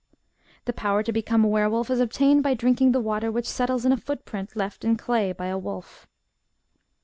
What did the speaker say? The power to become a were wolf is obtained by drinking the water which settles in a foot print left in clay by a wolf.